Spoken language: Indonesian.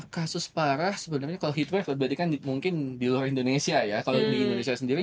kasus parah sebenarnya kalau heat wave berarti kan mungkin di luar indonesia ya kalau di indonesia sendiri